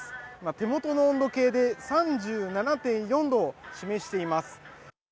手元の温度計で３７．４度を示しています。